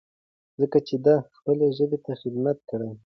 ځکه چې ده خپلې ژبې ته خدمت کړی.